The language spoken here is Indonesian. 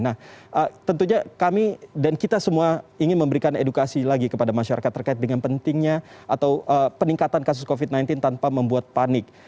nah tentunya kami dan kita semua ingin memberikan edukasi lagi kepada masyarakat terkait dengan pentingnya atau peningkatan kasus covid sembilan belas tanpa membuat panik